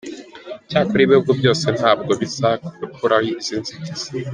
Icyakora ibihugu byose ntabwo birakuraho izi nzitizi.